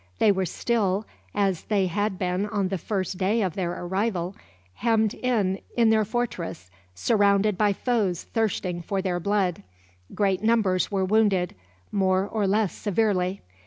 They were still, as they had been on the first day of their arrival, hemmed in in their fortress, surrounded by foes thirsting for their blood. Great numbers were wounded, more or less severely.